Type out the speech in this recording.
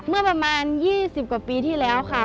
เมื่อประมาณ๒๐กว่าปีที่แล้วค่ะ